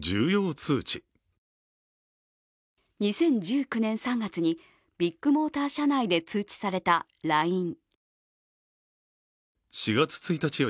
２０１９年３月にビッグモーター社内で通知されたＬＩＮＥ。